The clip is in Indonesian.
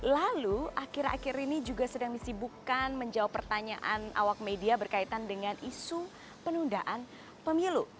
lalu akhir akhir ini juga sedang disibukkan menjawab pertanyaan awak media berkaitan dengan isu penundaan pemilu